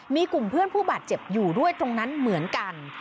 มีกลุ่มเพื่อนผู้บาดเจ็บอยู่ด้วยตรงนั้นเหมือนกัน